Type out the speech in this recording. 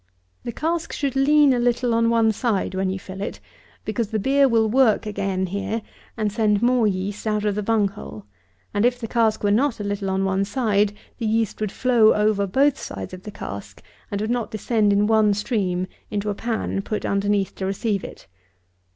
The cask should lean a little on one side, when you fill it; because the beer will work again here, and send more yeast out of the bung hole; and, if the cask were not a little on one side, the yeast would flow over both sides of the cask, and would not descend in one stream into a pan, put underneath to receive it.